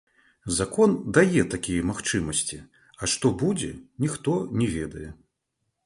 Закон дае такія магчымасці, а што будзе, ніхто не ведае.